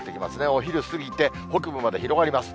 お昼過ぎて、北部まで広がります。